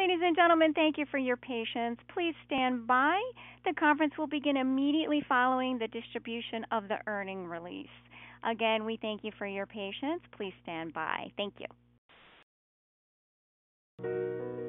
Ladies and gentlemen, thank you for your patience. Please stand by. The conference will begin immediately following the distribution of the earnings release. Again, we thank you for your patience. Please stand by. Thank you.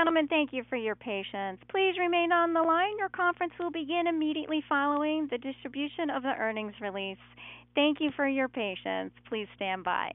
Ladies and gentlemen, thank you for your patience. Please remain on the line. Your conference will begin immediately following the distribution of the earnings release. Thank you for your patience. Please stand by.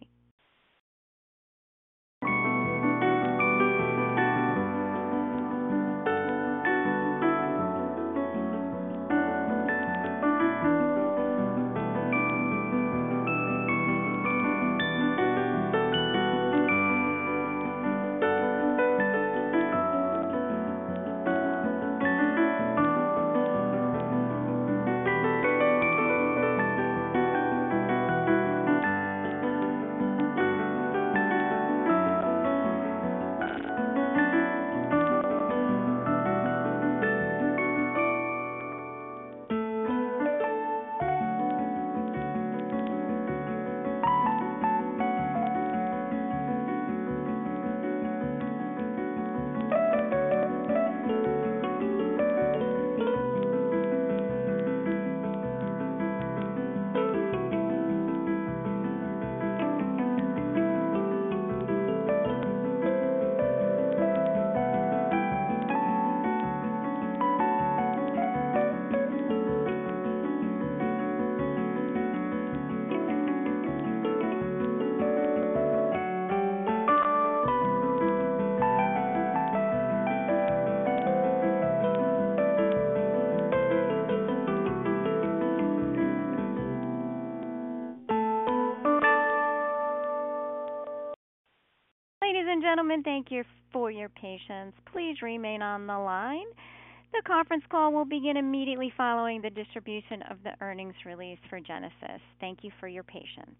Ladies and gentlemen, thank you for your patience. Please remain on the line. The conference call will begin immediately following the distribution of the earnings release for Genasys. Thank you for your patience.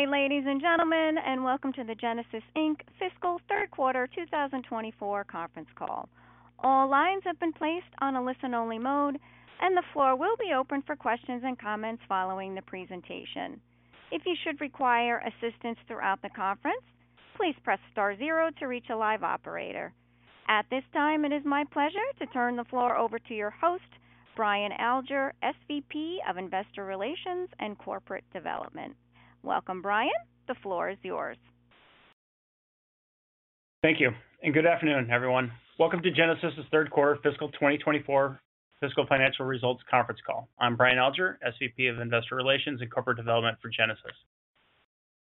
Good day, ladies and gentlemen, and welcome to the Genasys Inc fiscal third quarter 2024 conference call. All lines have been placed on a listen-only mode, and the floor will be open for questions and comments following the presentation. If you should require assistance throughout the conference, please press star zero to reach a live operator. At this time, it is my pleasure to turn the floor over to your host, Brian Alger, SVP of Investor Relations and Corporate Development. Welcome, Brian. The floor is yours. Thank you, and good afternoon, everyone. Welcome to Genasys's third quarter fiscal 2024 financial results conference call. I'm Brian Alger, SVP of Investor Relations and Corporate Development for Genasys.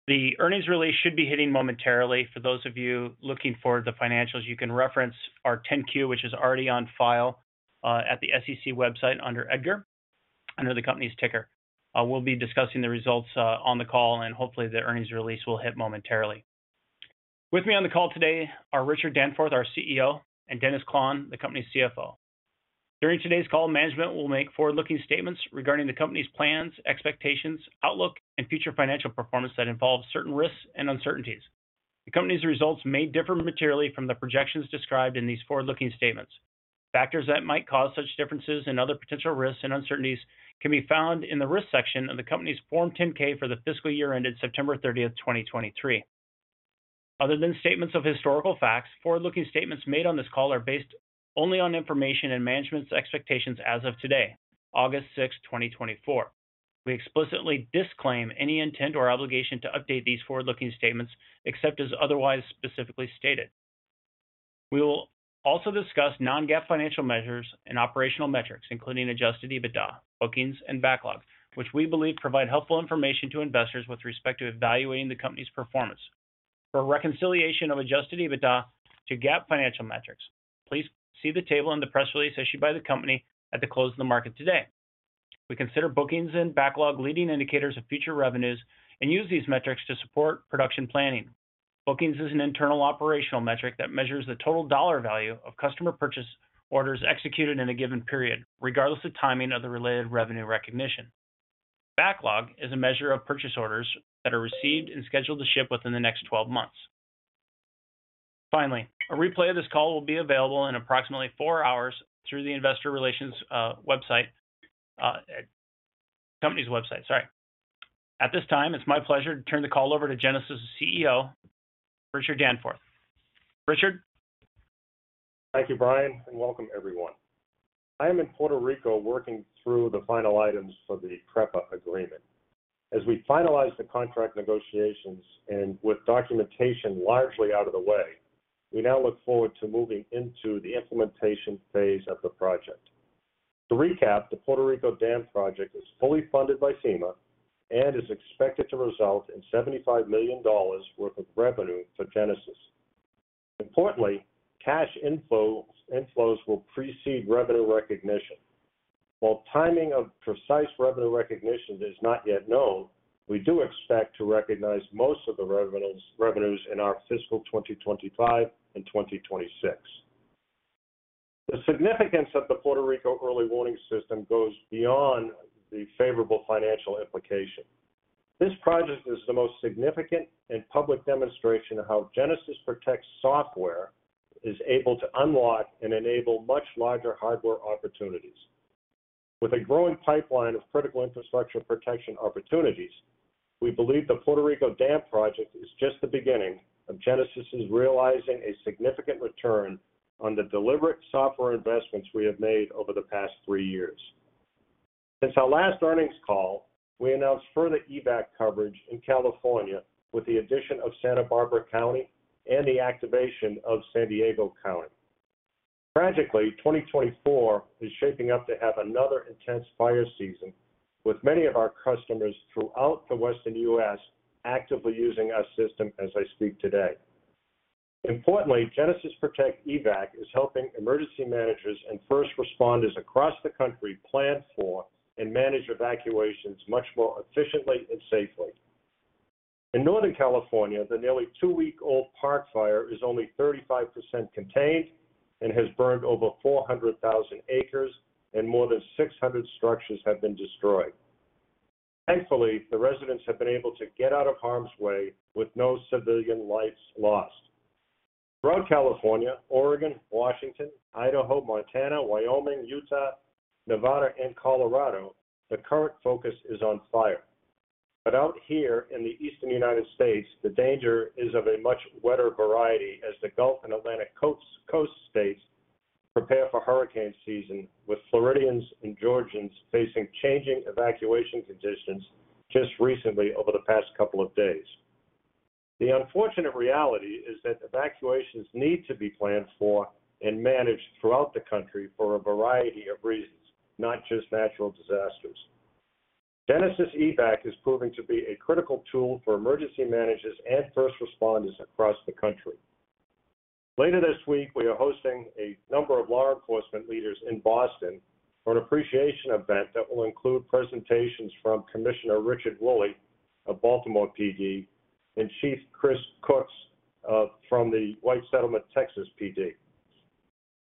The earnings release should be hitting momentarily. For those of you looking for the financials, you can reference our 10-Q, which is already on file at the SEC website under EDGAR, under the company's ticker. We'll be discussing the results on the call, and hopefully, the earnings release will hit momentarily. With me on the call today are Richard Danforth, our CEO, and Dennis Klahn, the company's CFO. During today's call, management will make forward-looking statements regarding the company's plans, expectations, outlook, and future financial performance that involve certain risks and uncertainties. The company's results may differ materially from the projections described in these forward-looking statements. Factors that might cause such differences and other potential risks and uncertainties can be found in the Risk section of the company's Form 10-K for the fiscal year ended September 30, 2023. Other than statements of historical facts, forward-looking statements made on this call are based only on information and management's expectations as of today, August 6th, 2024. We explicitly disclaim any intent or obligation to update these forward-looking statements, except as otherwise specifically stated. We will also discuss non-GAAP financial measures and operational metrics, including adjusted EBITDA, bookings, and backlog, which we believe provide helpful information to investors with respect to evaluating the company's performance. For a reconciliation of adjusted EBITDA to GAAP financial metrics, please see the table in the press release issued by the company at the close of the market today. We consider bookings and backlog leading indicators of future revenues and use these metrics to support production planning. Bookings is an internal operational metric that measures the total dollar value of customer purchase orders executed in a given period, regardless of timing of the related revenue recognition. Backlog is a measure of purchase orders that are received and scheduled to ship within the next 12 months. Finally, a replay of this call will be available in approximately four hours through the investor relations website, company's website. Sorry. At this time, it's my pleasure to turn the call over to Genasys' CEO, Richard Danforth. Richard? Thank you, Brian, and welcome everyone. I am in Puerto Rico working through the final items for the PREPA agreement. As we finalize the contract negotiations and with documentation largely out of the way, we now look forward to moving into the implementation phase of the project. To recap, the Puerto Rico dam project is fully funded by FEMA and is expected to result in $75 million worth of revenue for Genasys. Importantly, cash inflows will precede revenue recognition. While timing of precise revenue recognition is not yet known, we do expect to recognize most of the revenues in our fiscal 2025 and 2026. The significance of the Puerto Rico Early Warning System goes beyond the favorable financial implication. This project is the most significant and public demonstration of how Genasys Protect software is able to unlock and enable much larger hardware opportunities. With a growing pipeline of critical infrastructure protection opportunities, we believe the Puerto Rico dam project is just the beginning of Genasys' realizing a significant return on the deliberate software investments we have made over the past three years. Since our last earnings call, we announced further EVAC coverage in California with the addition of Santa Barbara County and the activation of San Diego County. Tragically, 2024 is shaping up to have another intense fire season, with many of our customers throughout the Western U.S. actively using our system as I speak today. Importantly, Genasys Protect EVAC is helping emergency managers and first responders across the country plan for and manage evacuations much more efficiently and safely. In Northern California, the nearly two-week-old Park Fire is only 35% contained and has burned over 400,000 acres, and more than 600 structures have been destroyed. Thankfully, the residents have been able to get out of harm's way with no civilian lives lost. Around California, Oregon, Washington, Idaho, Montana, Wyoming, Utah, Nevada, and Colorado, the current focus is on fire. But out here in the Eastern United States, the danger is of a much wetter variety as the Gulf and Atlantic Coast states prepare for hurricane season, with Floridians and Georgians facing changing evacuation conditions just recently over the past couple of days. The unfortunate reality is that evacuations need to be planned for and managed throughout the country for a variety of reasons, not just natural disasters. Genasys EVAC is proving to be a critical tool for emergency managers and first responders across the country. Later this week, we are hosting a number of law enforcement leaders in Boston for an appreciation event that will include presentations from Commissioner Richard Worley of Baltimore PD and Chief Chris Cook from the White Settlement, Texas, PD.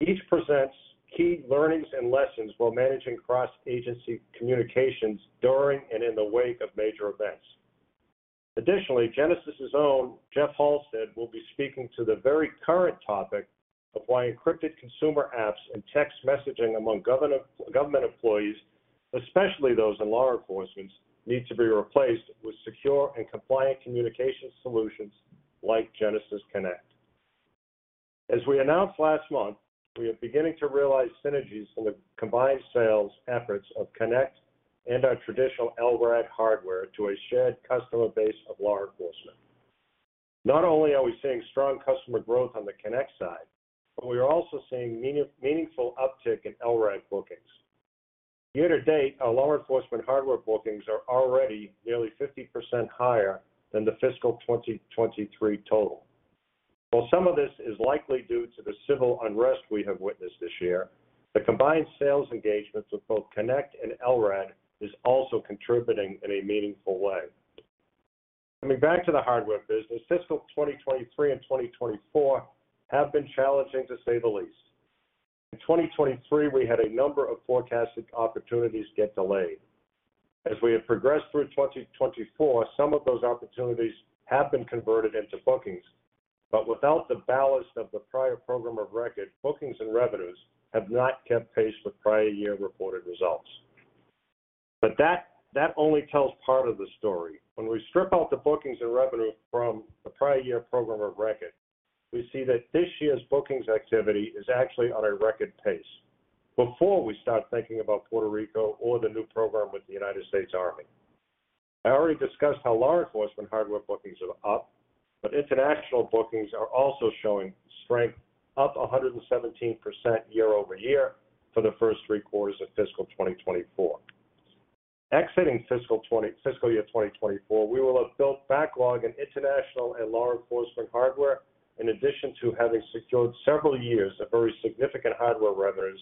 Each presents key learnings and lessons while managing cross-agency communications during and in the wake of major events. Additionally, Genasys's own Jeff Halstead will be speaking to the very current topic of why encrypted consumer apps and text messaging among government employees, especially those in law enforcement, need to be replaced with secure and compliant communication solutions like Genasys Connect. As we announced last month, we are beginning to realize synergies in the combined sales efforts of Connect and our traditional LRAD hardware to a shared customer base of law enforcement. Not only are we seeing strong customer growth on the Connect side, but we are also seeing meaningful uptick in LRAD bookings. Year to date, our law enforcement hardware bookings are already nearly 50% higher than the fiscal 2023 total. While some of this is likely due to the civil unrest we have witnessed this year, the combined sales engagements with both Connect and LRAD is also contributing in a meaningful way. Coming back to the hardware business, fiscal 2023 and 2024 have been challenging, to say the least. In 2023, we had a number of forecasted opportunities get delayed. As we have progressed through 2024, some of those opportunities have been converted into bookings, but without the ballast of the prior program of record, bookings and revenues have not kept pace with prior year reported results. But that only tells part of the story. When we strip out the bookings and revenue from the prior year program of record, we see that this year's bookings activity is actually on a record pace before we start thinking about Puerto Rico or the new program with the U.S. Army. I already discussed how law enforcement hardware bookings are up, but international bookings are also showing strength, up 117% year-over-year for the first three quarters of fiscal 2024. Exiting fiscal year 2024, we will have built backlog in international and law enforcement hardware, in addition to having secured several years of very significant hardware revenues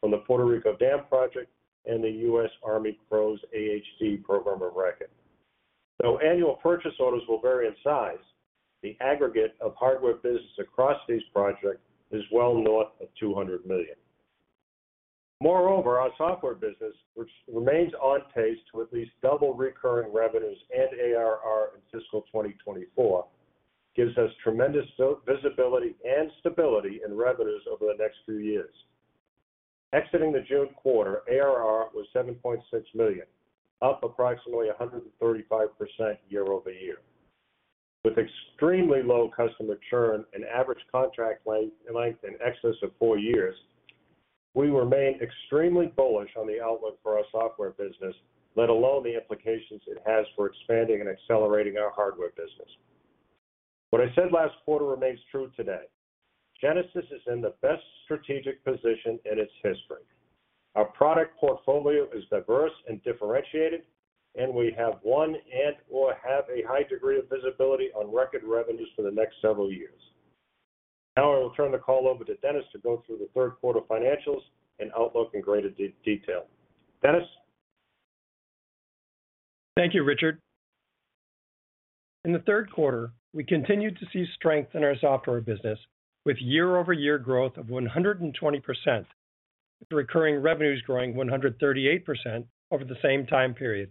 from the Puerto Rico dam project and the U.S. Army CROWS AHD program of record. Though annual purchase orders will vary in size, the aggregate of hardware business across these projects is well north of $200 million. Moreover, our software business, which remains on pace to at least double recurring revenues and ARR in fiscal 2024, gives us tremendous visibility and stability in revenues over the next few years. Exiting the June quarter, ARR was $7.6 million, up approximately 135% year-over-year. With extremely low customer churn and average contract length in excess of four years, we remain extremely bullish on the outlook for our software business, let alone the implications it has for expanding and accelerating our hardware business. What I said last quarter remains true today. Genasys is in the best strategic position in its history. Our product portfolio is diverse and differentiated, and we have won and/or have a high degree of visibility on record revenues for the next several years. Now I will turn the call over to Dennis to go through the third quarter financials and outlook in greater detail. Dennis? Thank you, Richard. In the third quarter, we continued to see strength in our software business with year-over-year growth of 120%, with recurring revenues growing 138% over the same time period.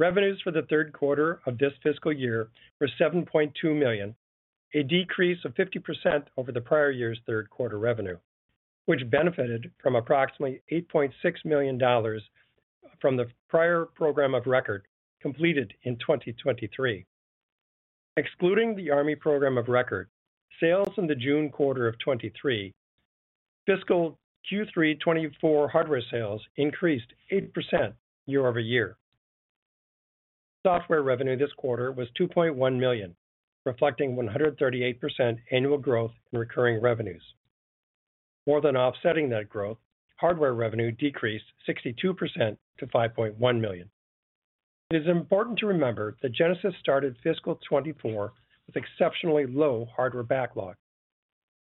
Revenues for the third quarter of this fiscal year were $7.2 million, a decrease of 50% over the prior year's third quarter revenue, which benefited from approximately $8.6 million from the prior program of record completed in 2023. Excluding the Army program of record, sales in the June quarter of 2023, fiscal Q3 2024 hardware sales increased 8% year-over-year. Software revenue this quarter was $2.1 million, reflecting 138% annual growth in recurring revenues. More than offsetting that growth, hardware revenue decreased 62% to $5.1 million. It is important to remember that Genasys started fiscal 2024 with exceptionally low hardware backlog.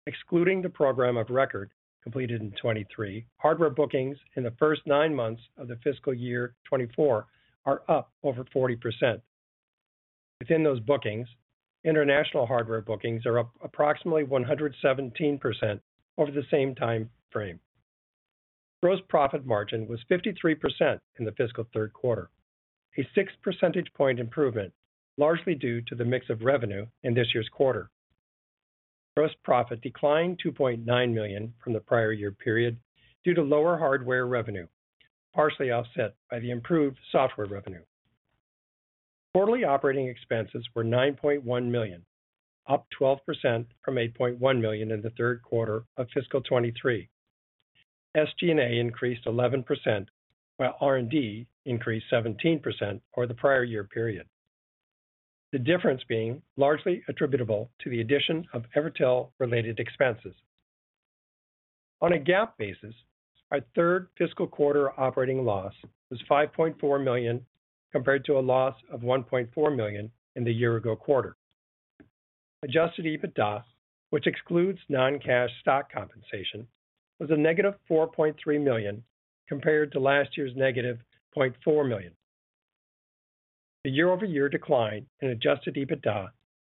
Excluding the program of record completed in 2023, hardware bookings in the first nine months of the fiscal year 2024 are up over 40%. Within those bookings, international hardware bookings are up approximately 117% over the same time frame. Gross profit margin was 53% in the fiscal third quarter, a 6 percentage point improvement, largely due to the mix of revenue in this year's quarter. Gross profit declined $2.9 million from the prior year period due to lower hardware revenue, partially offset by the improved software revenue. Quarterly operating expenses were $9.1 million, up 12% from $8.1 million in the third quarter of fiscal 2023. SG&A increased 11%, while R&D increased 17% for the prior year period. The difference being largely attributable to the addition of Evertel-related expenses. On a GAAP basis, our third fiscal quarter operating loss was $5.4 million, compared to a loss of $1.4 million in the year-ago quarter. Adjusted EBITDA, which excludes non-cash stock compensation, was -$4.3 million, compared to last year's -$0.4 million. The year-over-year decline in adjusted EBITDA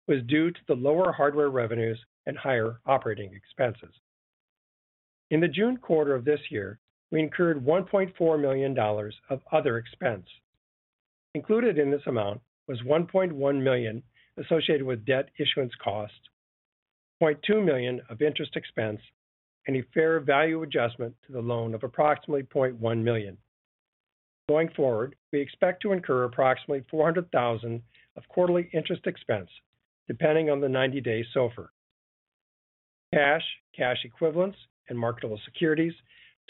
was due to the lower hardware revenues and higher operating expenses. In the June quarter of this year, we incurred $1.4 million of other expense. Included in this amount was $1.1 million associated with debt issuance cost, $0.2 million of interest expense, and a fair value adjustment to the loan of approximately $0.1 million. Going forward, we expect to incur approximately $400,000 of quarterly interest expense, depending on the 90-day SOFR. Cash, cash equivalents, and marketable securities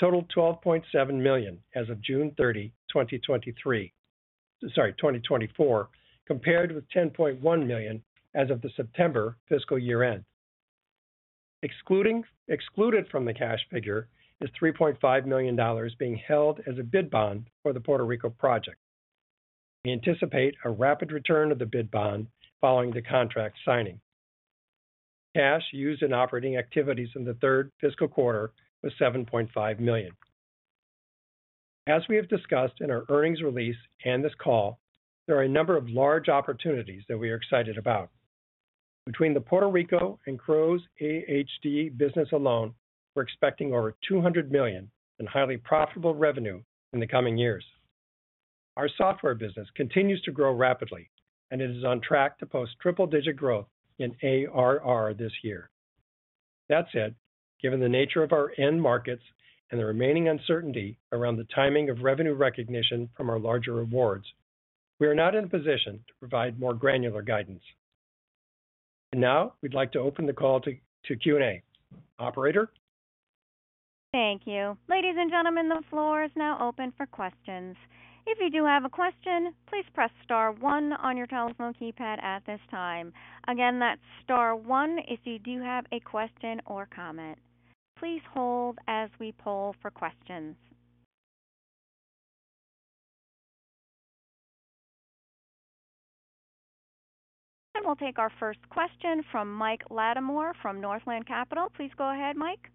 totaled $12.7 million as of June 30, 2024, compared with $10.1 million as of the September fiscal year-end. Excluded from the cash figure is $3.5 million being held as a bid bond for the Puerto Rico project. We anticipate a rapid return of the bid bond following the contract signing. Cash used in operating activities in the third fiscal quarter was $7.5 million. As we have discussed in our earnings release and this call, there are a number of large opportunities that we are excited about. Between the Puerto Rico and CROWS AHD business alone, we're expecting over $200 million in highly profitable revenue in the coming years. Our software business continues to grow rapidly, and it is on track to post triple-digit growth in ARR this year. That said, given the nature of our end markets and the remaining uncertainty around the timing of revenue recognition from our larger awards, we are not in a position to provide more granular guidance. Now we'd like to open the call to Q&A. Operator? Thank you. Ladies and gentlemen, the floor is now open for questions. If you do have a question, please press star one on your telephone keypad at this time. Again, that's star one if you do have a question or comment. Please hold as we poll for questions. We'll take our first question from Mike Latimore from Northland Capital. Please go ahead, Mike.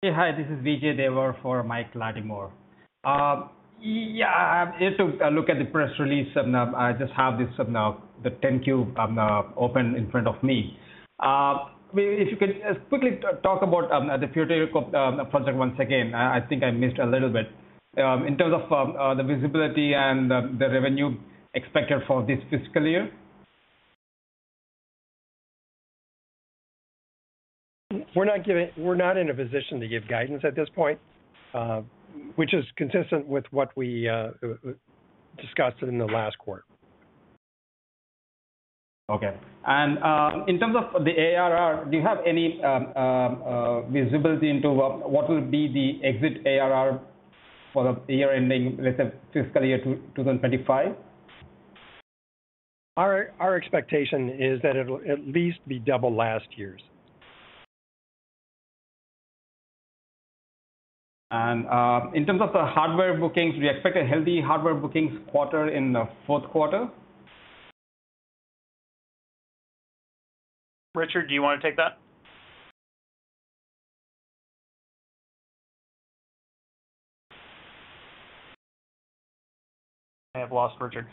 Hey, hi, this is Vijay Devar for Mike Latimore. Yeah, I have to look at the press release, I just have this, the 10-Q, open in front of me. If you could quickly talk about, the Puerto Rico project once again, I think I missed a little bit, in terms of, the visibility and the, the revenue expected for this fiscal year. We're not in a position to give guidance at this point, which is consistent with what we discussed in the last quarter. Okay. And, in terms of the ARR, do you have any visibility into what will be the exit ARR for the year ending, let's say, fiscal year 2025? Our expectation is that it'll at least be double last year's. In terms of the hardware bookings, do you expect a healthy hardware bookings quarter in the fourth quarter? Richard, do you want to take that? I have lost Richard.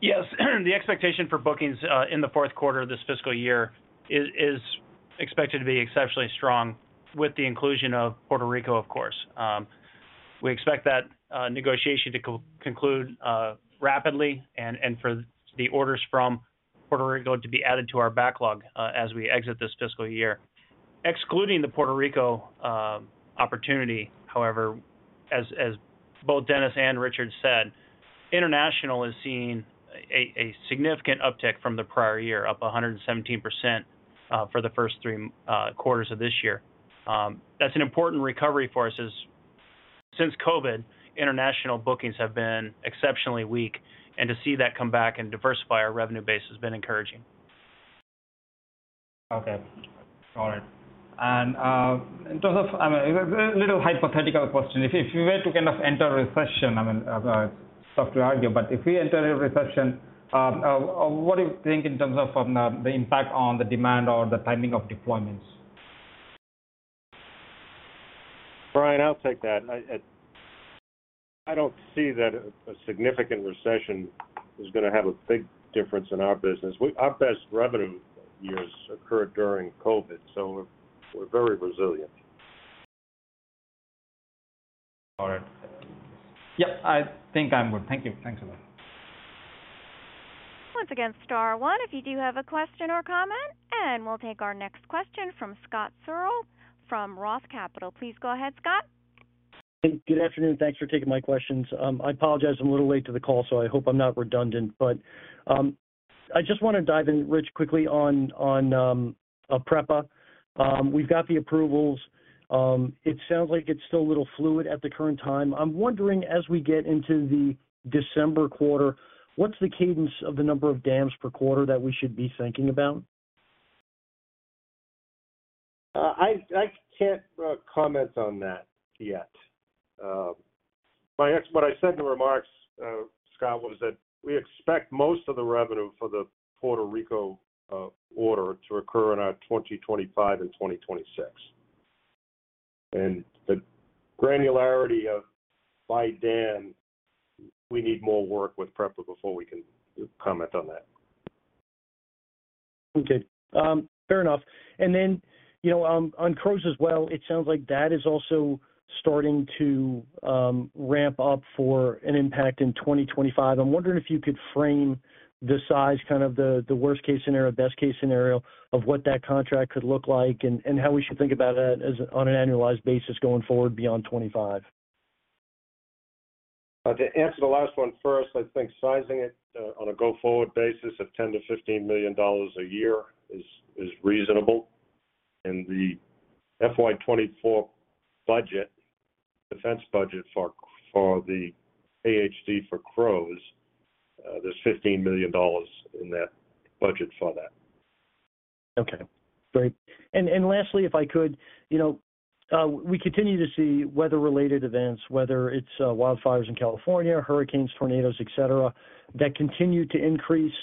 Yes, the expectation for bookings in the fourth quarter of this fiscal year is expected to be exceptionally strong with the inclusion of Puerto Rico, of course. We expect that negotiation to conclude rapidly and for the orders from Puerto Rico to be added to our backlog as we exit this fiscal year. Excluding the Puerto Rico opportunity, however, as both Dennis and Richard said, international is seeing a significant uptick from the prior year, up 117% for the first three quarters of this year. That's an important recovery for us, as since COVID, international bookings have been exceptionally weak, and to see that come back and diversify our revenue base has been encouraging. Okay, all right. And, in terms of, I mean, a little hypothetical question: If, if we were to kind of enter a recession, I mean, tough to argue, but if we enter a recession, what do you think in terms of, the impact on the demand or the timing of deployments? Brian, I'll take that. I, I don't see that a significant recession is gonna have a big difference in our business. Our best revenue years occurred during COVID, so we're very resilient. All right. Yep, I think I'm good. Thank you. Thanks a lot. Once again, star one, if you do have a question or comment, and we'll take our next question from Scott Searle from Roth Capital. Please go ahead, Scott. Hey, good afternoon. Thanks for taking my questions. I apologize, I'm a little late to the call, so I hope I'm not redundant. But, I just wanna dive in, Rich, quickly, on PREPA. We've got the approvals. It sounds like it's still a little fluid at the current time. I'm wondering, as we get into the December quarter, what's the cadence of the number of dams per quarter that we should be thinking about? I can't comment on that yet. What I said in the remarks, Scott, was that we expect most of the revenue for the Puerto Rico order to occur in our 2025 and 2026. And the granularity of by dam, we need more work with PREPA before we can comment on that. Okay, fair enough. And then, you know, on CROWS as well, it sounds like that is also starting to ramp up for an impact in 2025. I'm wondering if you could frame the size, kind of the, the worst-case scenario, best-case scenario of what that contract could look like, and, and how we should think about that as, on an annualized basis going forward beyond 2025. To answer the last one first, I think sizing it on a go-forward basis of $10 million-$15 million a year is reasonable. And the FY 2024 budget, defense budget for the AHD for CROWS, there's $15 million in that budget for that. Okay, great. And, and lastly, if I could, you know, we continue to see weather-related events, whether it's wildfires in California, hurricanes, tornadoes, et cetera, that continue to increase,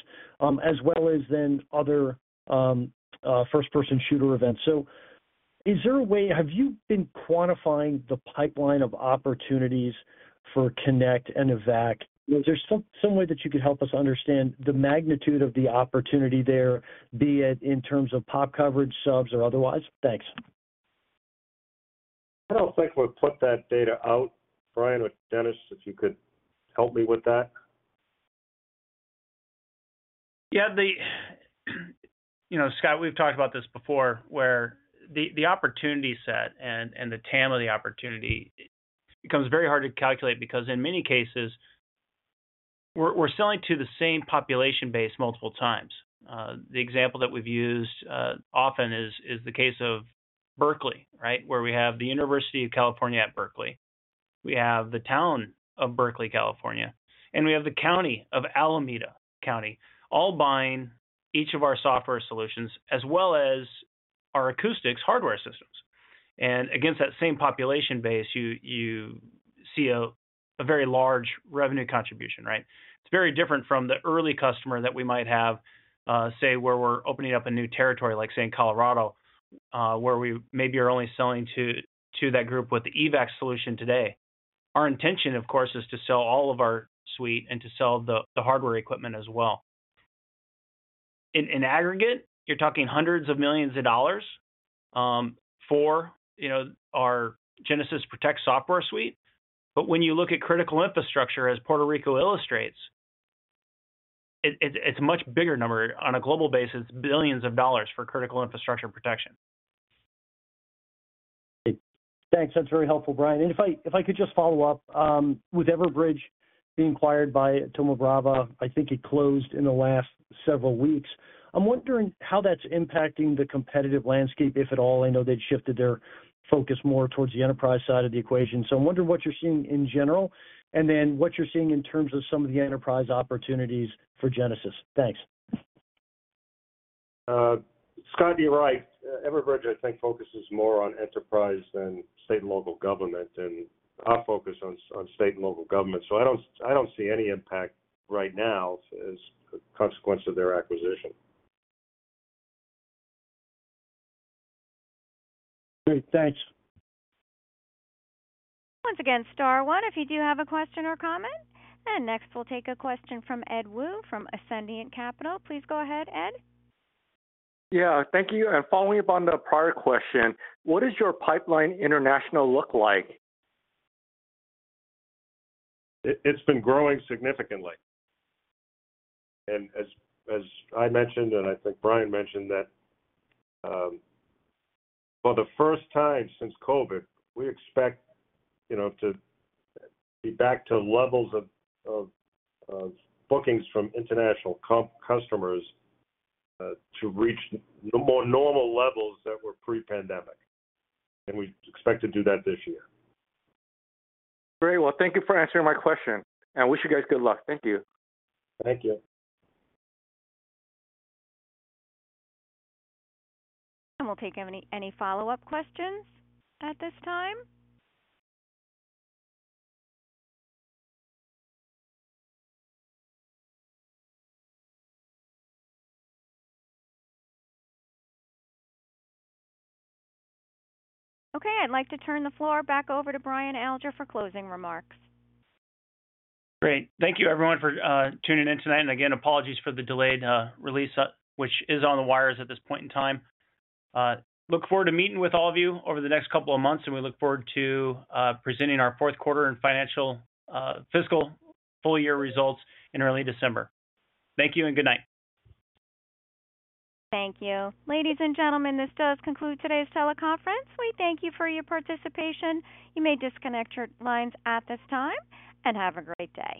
as well as then other first-person shooter events. So, is there a way? Have you been quantifying the pipeline of opportunities for Connect and EVAC? Is there some, some way that you could help us understand the magnitude of the opportunity there, be it in terms of pop coverage, subs, or otherwise? Thanks. I don't think we've put that data out. Brian or Dennis, if you could help me with that. Yeah, the... You know, Scott, we've talked about this before, where the opportunity set and the TAM of the opportunity becomes very hard to calculate because in many cases, we're selling to the same population base multiple times. The example that we've used often is the case of Berkeley, right? Where we have the University of California at Berkeley, we have the town of Berkeley, California, and we have the county of Alameda County, all buying each of our software solutions, as well as our acoustics hardware systems. And against that same population base, you see a very large revenue contribution, right? It's very different from the early customer that we might have, say, where we're opening up a new territory, like, say, in Colorado, where we maybe are only selling to that group with the EVAC solution today. Our intention, of course, is to sell all of our suite and to sell the, the hardware equipment as well. In aggregate, you're talking hundreds of millions of dollars, for, you know, our Genasys Protect software suite. But when you look at critical infrastructure, as Puerto Rico illustrates, it's a much bigger number. On a global basis, it's billions of dollars for critical infrastructure protection. Great. Thanks. That's very helpful, Brian. If I could just follow up with Everbridge being acquired by Thoma Bravo, I think it closed in the last several weeks. I'm wondering how that's impacting the competitive landscape, if at all. I know they'd shifted their focus more towards the enterprise side of the equation. So I'm wondering what you're seeing in general, and then what you're seeing in terms of some of the enterprise opportunities for Genasys. Thanks. Scott, you're right. Everbridge, I think, focuses more on enterprise than state and local government, and our focus on state and local government. So I don't, I don't see any impact right now as a consequence of their acquisition. Great. Thanks. Once again, star one, if you do have a question or comment. And next, we'll take a question from Ed Woo from Ascendiant Capital Markets. Please go ahead, Ed. Yeah, thank you. Following up on the prior question, what does your pipeline international look like? It's been growing significantly. And as I mentioned, and I think Brian mentioned, that for the first time since COVID, we expect, you know, to be back to levels of bookings from international customers to reach the more normal levels that were pre-pandemic. And we expect to do that this year. Great. Well, thank you for answering my question, and wish you guys good luck. Thank you. Thank you. We'll take any follow-up questions at this time? Okay, I'd like to turn the floor back over to Brian Alger for closing remarks. Great. Thank you, everyone, for tuning in tonight. And again, apologies for the delayed release, which is on the wires at this point in time. Look forward to meeting with all of you over the next couple of months, and we look forward to presenting our fourth quarter and financial fiscal full year results in early December. Thank you and good night. Thank you. Ladies and gentlemen, this does conclude today's teleconference. We thank you for your participation. You may disconnect your lines at this time and have a great day.